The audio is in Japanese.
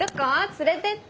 連れてって。